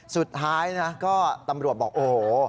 สุดท้ายนะก็ตำรวจบอกโอ้โห